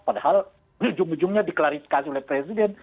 padahal ujung ujungnya diklarifikasi oleh presiden